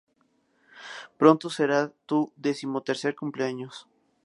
Pronto será tu decimotercer cumpleaños.